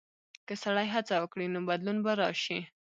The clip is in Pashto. که سړی هڅه وکړي، نو بدلون به راشي.